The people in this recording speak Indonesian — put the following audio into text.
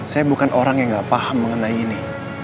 saya bukan orang yang gak paham mengenai ini